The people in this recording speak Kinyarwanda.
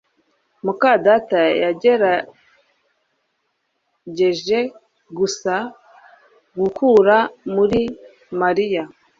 muka data yagerageje gusa gukura muri Mariya